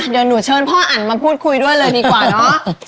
เดี๋ยวหนูเชิญพ่ออันมาพูดคุยด้วยเลยดีกว่าเนอะ